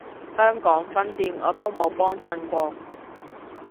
香港分店我都冇幫襯過